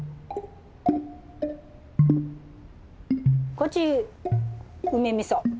こっち梅みそ。